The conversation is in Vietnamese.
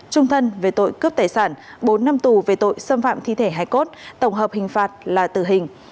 trung thân về tội cướp tài sản bốn năm tù về tội xâm phạm thi thể hai cốt tổng hợp hình phạt là tử hình